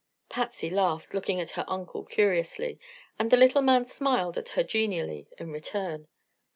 Patsy laughed, looking at her uncle curiously, and the little man smiled at her genially in return.